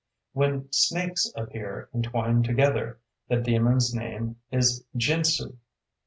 "When snakes appear entwined together, the demon's name is Jinzu.